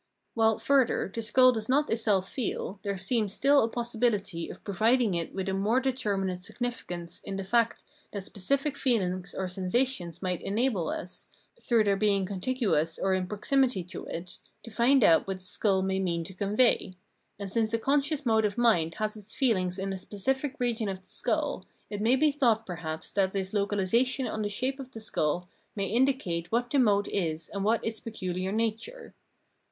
While, further, the skull does not itself feel, there seems still a possibihty of providing it with a more determinate significance in the fact that specific feelings or sensations might enable us, through their being contiguous or in proximity to it, to find out what the skull may mean to convey ; and since a con scious mode of mind has its feehng in a specific region of the skull, it may be thought perhaps that this localisation on the shape of the skull may indi cate what that mode is and what its pecuhar nature.